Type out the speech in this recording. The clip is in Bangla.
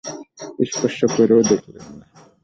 স্পর্শ করেও দেখলেন না।